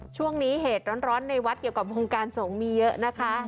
ช่วงนี้เหตุร้อนในวัดเกี่ยวกับวงการสงฆ์มีเยอะนะคะ